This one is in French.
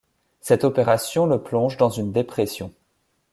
Cette opération le plonge dans une dépression.